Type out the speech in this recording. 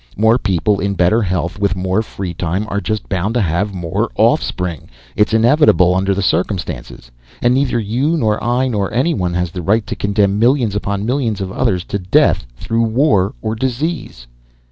More people, in better health, with more free time, are just bound to have more offspring. It's inevitable, under the circumstances. And neither you nor I nor anyone has the right to condemn millions upon millions of others to death through war or disease."